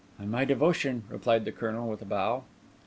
"On my devotion," replied the Colonel, with a bow.